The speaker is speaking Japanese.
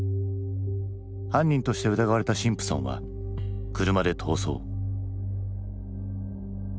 犯人として疑われたシンプソンは車で逃走。